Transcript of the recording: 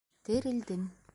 - Терелдем.